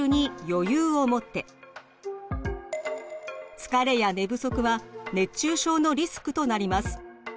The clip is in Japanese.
疲れや寝不足は熱中症のリスクとなります。